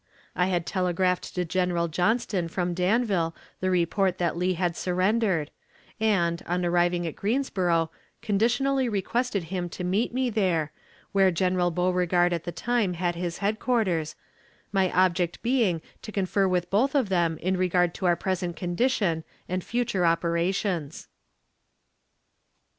I had telegraphed to General Johnston from Danville the report that Lee had surrendered, and, on arriving at Greensboro, conditionally requested him to meet me there, where General Beauregard at the time had his headquarters, my object being to confer with both of them in regard to our present condition and future operations.